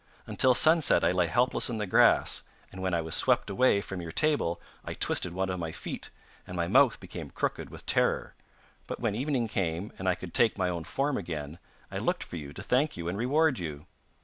Until sunset I lay helpless in the grass, and when I was swept away from your table I twisted one of my feet, and my mouth became crooked with terror; but when evening came and I could take my own form again, I looked for you to thank you and reward you.